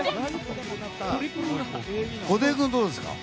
布袋君、どうですか？